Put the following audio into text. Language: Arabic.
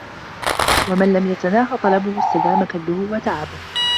وَمَنْ لَمْ يَتَنَاهَ طَلَبُهُ اسْتَدَامَ كَدُّهُ وَتَعَبُهُ